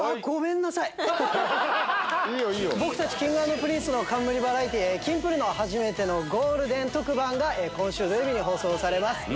僕たちＫｉｎｇ＆Ｐｒｉｎｃｅの冠バラエティー『キンプる。』の初めてのゴールデン特番が今週土曜日に放送されます。